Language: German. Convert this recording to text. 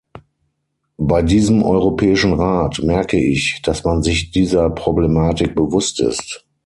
Bei diesem Europäischen Rat merke ich, dass man sich dieser Problematik bewusst ist.